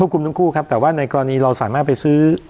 คุมทั้งคู่ครับแต่ว่าในกรณีเราสามารถไปซื้อ